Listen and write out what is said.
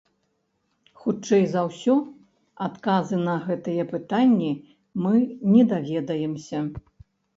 Хутчэй за ўсё, адказы на гэтыя пытанні мы не даведаемся.